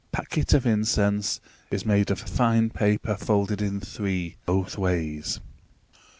The packet of incense is made of fine paper folded in three, both ways.